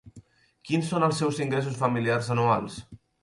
Quins són els seus ingressos familiars anuals?